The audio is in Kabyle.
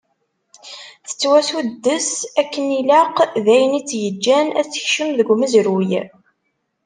Tettwasuddes akken ilaq, d ayen i tt-yeǧǧan ad tekcem deg umezruy.